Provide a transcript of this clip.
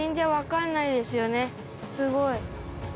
すごい！